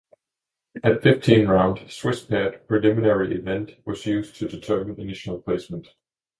A fifteen round, Swiss-paired preliminary event was used to determine initial placement.